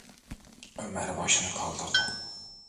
Ömer başını kaldırdı.